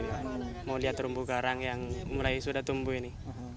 mau lihat rumbu garang yang mulai sudah tumbuh ini